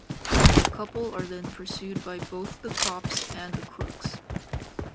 The couple are then pursued by both the cops and the crooks.